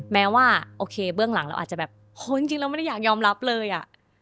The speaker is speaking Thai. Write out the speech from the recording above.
แม้ว่าโอเคเบื้องหลังเราอาจจะแบบโหจริงเราไม่ได้อยากยอมรับเลยอ่ะ